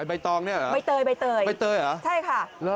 ไอ้ใบตองนี่เหรอใบเต๋ยใช่ค่ะถูกห่ออยู่ที่พุง